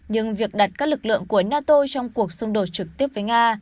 nhưng việc đặt các lực lượng của nato trong cuộc xung đột trực tiếp với nga